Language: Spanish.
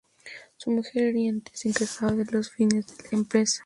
Su mujer Henriette se encargaba de las finanzas de la empresa.